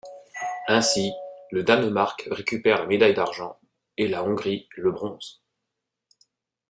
Ainsi, le Danemark récupère la médaille d'argent et la Hongrie le bronze.